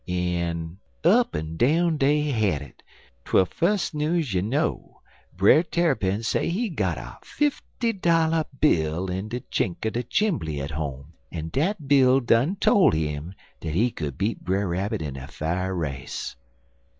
Up en down dey had it, twel fus news you know Brer Tarrypin say he got a fifty dollar bill in de chink er de chimbly at home, en dat bill done tole 'im dat he could beat Brer Rabbit in a fa'r race.